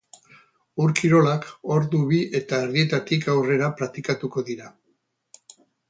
Ur-kirolak ordu bi eta erdietatik aurrera praktikatuko dira.